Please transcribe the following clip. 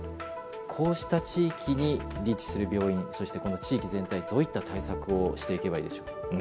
こうした地域に立地する病院そしてこの地域全体どういった対策をしていけばいいでしょう。